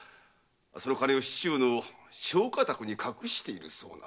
その金を市中の商家宅に隠しているそうな。